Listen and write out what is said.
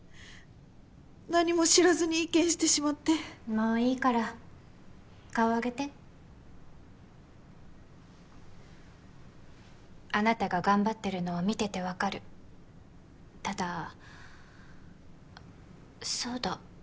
何も知らずに意見してしまってもういいから顔上げてあなたが頑張ってるのを見てて分かるただそうだ